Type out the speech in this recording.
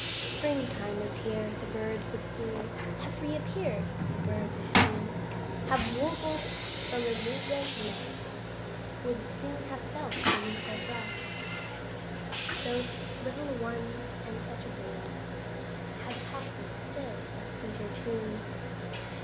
Springtime was here the birds would soon Have re appeared the birds would soon Have warbled from a new built nest, Would soon have felt beneath their breast The little ones and such a boon Had taught them still a sweeter tune.